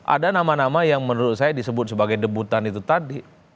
ada nama nama yang menurut saya disebut sebagai debutan itu tadi